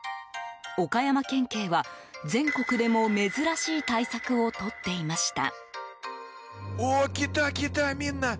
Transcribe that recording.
岡山県警は、全国でも珍しい対策をとっていました。